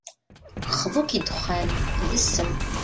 Xḍu-k i ddexxan, d ssem.